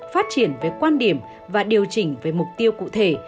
phát triển với quan điểm và điều chỉnh về mục tiêu cụ thể